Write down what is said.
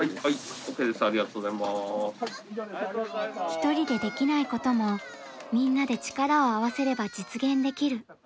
一人でできないこともみんなで力を合わせれば実現できる。